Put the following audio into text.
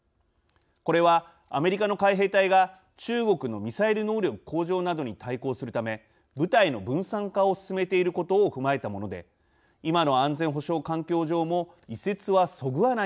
これはアメリカの海兵隊が中国のミサイル能力向上などに対抗するため部隊の分散化を進めていることを踏まえたもので今の安全保障環境上も移設はそぐわないとの主張です。